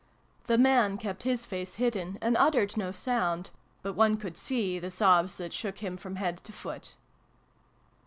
The man kept his face hidden, and uttered no sound : but one could see the sobs that shook him from head to foot.